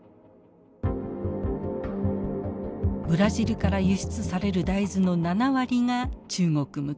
ブラジルから輸出される大豆の７割が中国向け。